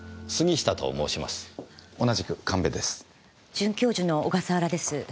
准教授の小笠原です。